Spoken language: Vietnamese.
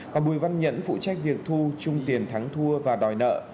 còn bùi văn nhẫn phụ trách việc thu chung tiền thắng thua và đòi nợ